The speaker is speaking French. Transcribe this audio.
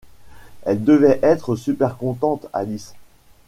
Elle devait être super contente Alice !